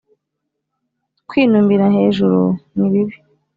kwinumira hejuru ni bibi